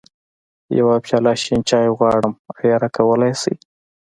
يوه پياله شين چای غواړم، ايا راکولی يې شې؟